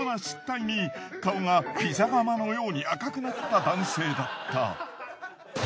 失態に顔がピザ窯のように赤くなった男性だった。